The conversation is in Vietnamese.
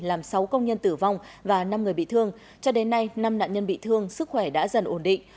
làm sáu công nhân tử vong và năm người bị thương cho đến nay năm nạn nhân bị thương sức khỏe đã dần ổn định